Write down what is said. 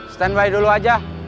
stand by dulu aja